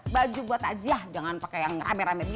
baju buat taji ya jangan pakai yang rame rame gini ya